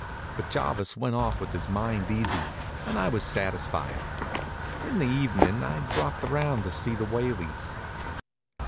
But Jarvis went off with his mind easy, and I was satisfied. In the evenin' I dropped around to see the Whaleys.